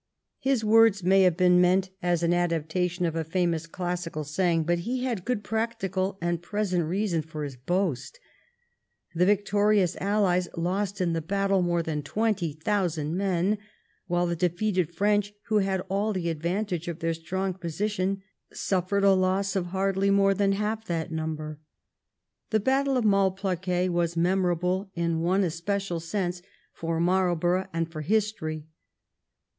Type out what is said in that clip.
His words may have been meant as an adaptation of a famous classical saying, but he had good practical and present reason for his boast. The victorious aUies lost in the battle more than 20,000 men, while the defeated French, who had aU the advantage of their strong position, suffered a loss of hardly more than half that number. The battle of Malplaquet was memorable in one especial sense for Marlborough and for history.